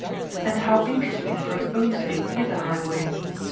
And how interesting for its own sake is a highway!